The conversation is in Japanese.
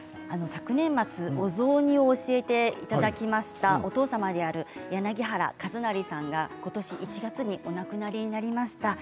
昨年末、お雑煮を教えていただきましたお父様である柳原一成さんがことし１月にお亡くなりになりました。